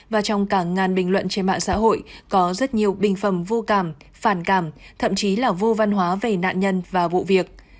và trong cả ngàn bình luận trên mạng xã hội có rất nhiều bình phẩm vô cảm phản cảm thậm chí là vô văn hóa về nạn nhân và vụ việc